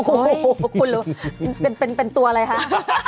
โอ้โหคุณรู้เป็นตัวอะไรคะ